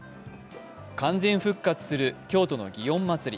完全復活する京都の祇園祭。